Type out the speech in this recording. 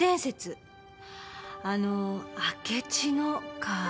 あの「あけちの」か。